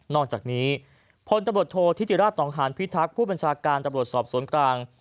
อกจากนี้พลตำรวจโทษธิติราชนองหานพิทักษ์ผู้บัญชาการตำรวจสอบสวนกลาง